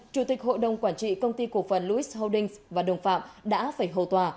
chủ tịch hội đồng quản trị công ty cục vận louis holdings và đồng phạm đã phải hầu tòa